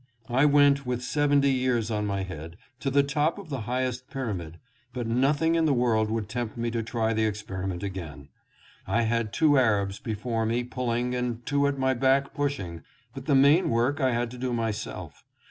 I went, with seventy years on my head, to the top of the high est Pyramid, but nothing in the world would tempt me to try the experiment again. I had two Arabs before me pulling, and two at my back pushing, but the main work I had to do myself.